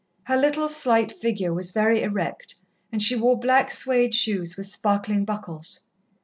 Her little, slight figure was very erect, and she wore black suède shoes with sparkling buckles.